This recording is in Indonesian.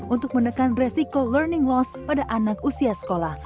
untuk menekan resiko learning loss pada anak usia sekolah